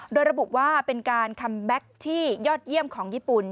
โดยระบุว่าเป็นการคัมแบ็คที่ยอดเยี่ยมของญี่ปุ่น